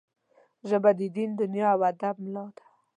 ژبه د دین، دنیا او ادب ملا ده